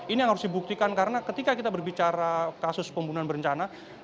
ini yang harus dibuktikan karena ketika kita berbicara kasus pembunuhan berencana